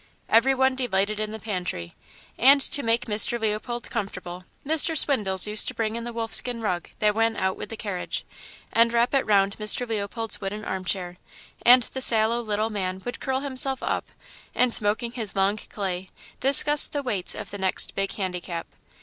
'" Everyone delighted in the pantry, and to make Mr. Leopold comfortable Mr. Swindles used to bring in the wolf skin rug that went out with the carriage, and wrap it round Mr. Leopold's wooden armchair, and the sallow little man would curl himself up, and, smoking his long clay, discuss the weights of the next big handicap.